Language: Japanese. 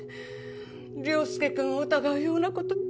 凌介君を疑うようなこと。